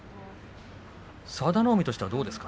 佐田の海としてはどうですか。